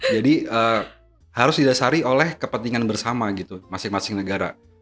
jadi harus didasari oleh kepentingan bersama gitu masing masing negara